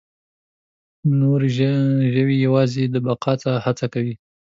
نور ژوي یواځې د بقا هڅه کوي.